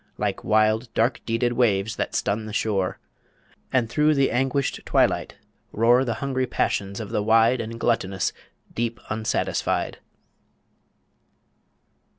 like wild, Dark deeded waves that stun the shore, And through the anguished twilight roar The hungry passions of the wide And gluttonous deep unsatisfied.